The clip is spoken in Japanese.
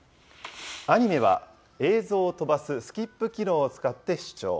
アニメは映像をとばすスキップ機能を使って視聴。